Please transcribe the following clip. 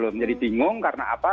menjadi bingung karena apa